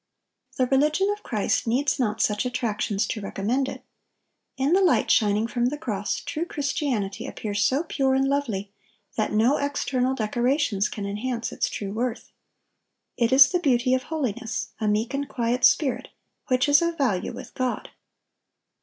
The religion of Christ needs not such attractions to recommend it. In the light shining from the cross, true Christianity appears so pure and lovely that no external decorations can enhance its true worth. It is the beauty of holiness, a meek and quiet spirit, which is of value with God.